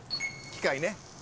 機械ね。